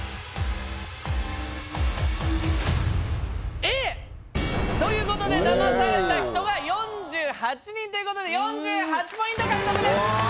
Ａ！ということで騙された人は４８人ということで４８ポイント獲得です！